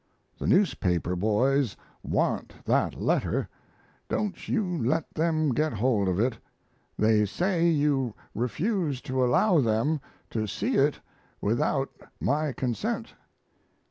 The newspaper boys want that letter don't you let them get hold of it. They say you refuse to allow them to see it without my consent.